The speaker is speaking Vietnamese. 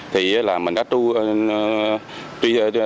thì là mình đã truy